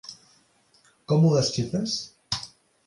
Como ho desxifres?